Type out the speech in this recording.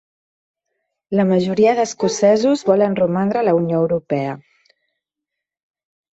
La majoria d'escocesos volen romandre a la Unió Europea